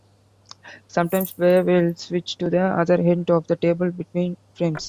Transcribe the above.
Sometimes players will switch to the other end of the table between frames.